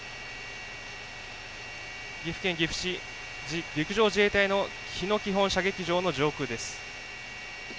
岐阜県岐阜市陸上自衛隊の日野基本射撃場の上空です。